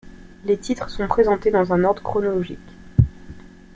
Les titres sont présentés dans un ordre chronologique.